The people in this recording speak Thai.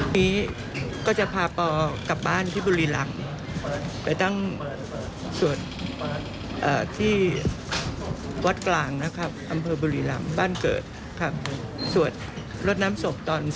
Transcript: นี้ก็จะพาปอกลับบ้านที่บุรีรำไปตั้งสวดที่วัดกลางนะครับอำเภอบุรีรำบ้านเกิดครับสวดรดน้ำศพตอน